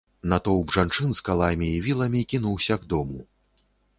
Натоўп жанчын з каламі і віламі кінуўся к дому.